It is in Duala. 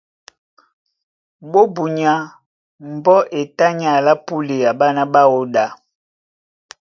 Búnyá ɓɔɔ́ mbɔ́ e tá ní alá púlea ɓána ɓáō ɗá.